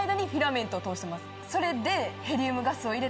それで。